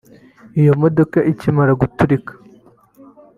Iyo modoka ikimara guturika